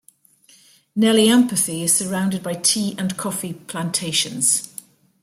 Nelliampathy is surrounded by tea and coffee plantations.